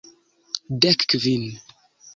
Dek kvin!